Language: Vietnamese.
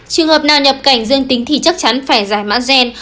trường hợp nào nhập cảnh dương tính thì chắc chắn phải giải mã gen